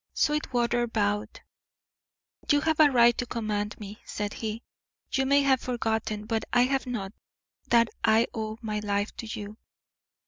Sweetwater bowed. "You have a right to command me," said he. "You may have forgotten, but I have not, that I owe my life to you.